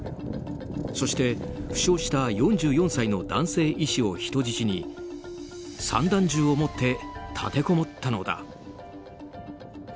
そして、負傷した４４歳の男性医師を人質に散弾銃を持って立てこもったのだ。